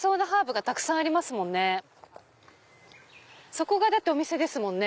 そこがお店ですもんね。